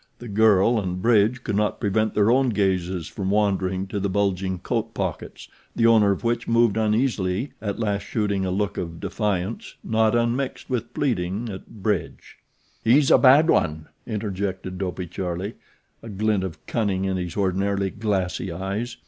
The girl and Bridge could not prevent their own gazes from wandering to the bulging coat pockets, the owner of which moved uneasily, at last shooting a look of defiance, not unmixed with pleading, at Bridge. "He's a bad one," interjected Dopey Charlie, a glint of cunning in his ordinarily glassy eyes.